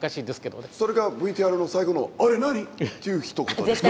それがＶＴＲの最後の「あれ何？」っていうひと言だったんですか？